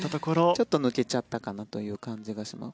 ちょっと抜けちゃったかなというところがあります。